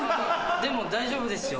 でも大丈夫ですよ